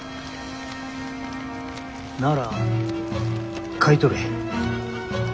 なら買い取れ。